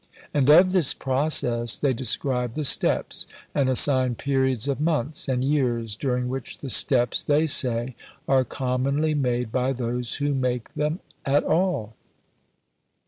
And of this process they describe the steps, and assign periods of months and years during which the steps, they say, are commonly made by those who make them at all.